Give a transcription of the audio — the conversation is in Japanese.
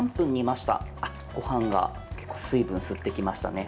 ごはんが水分、吸ってきましたね。